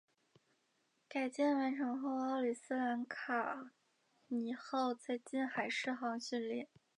改建完成后奥里斯卡尼号在近海试航训练。